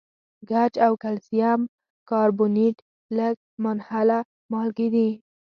ګچ او کلسیم کاربونیټ لږ منحله مالګې دي.